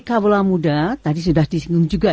kabelan muda tadi sudah disinggung juga